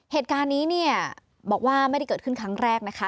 เหตุการณ์นี้เนี่ยบอกว่าไม่ได้เกิดขึ้นครั้งแรกนะคะ